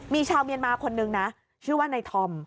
มีชาวเมียนมาคนนึงนะชื่อว่านายธอม